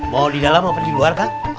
mau di dalam apa di luar kak